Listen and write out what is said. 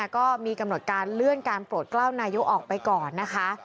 ก็มีกำหนดการเลื่อนการโปรดกล้าวนายกออกไปก่อนนะคะ